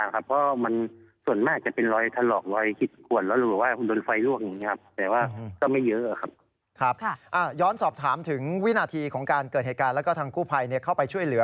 ก็ก็ตอนนี้ก็คือ